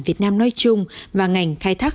việt nam nói chung và ngành khai thác